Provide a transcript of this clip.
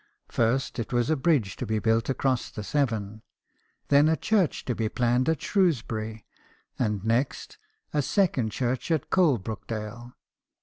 First, it was a bridge to be built across the Severn ; then a church to be planned at Shrewsbury, and next, a second church in Coalbrookdale.